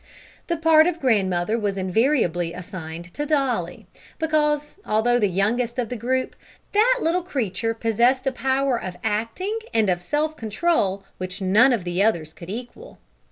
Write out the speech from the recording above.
The part of grandmother was invariably assigned to Dolly, because, although the youngest of the group, that little creature possessed a power of acting and of self control which none of the others could equal.